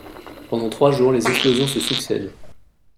Pendant trois jours, les explosions se succèdent.